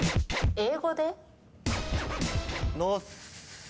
英語で？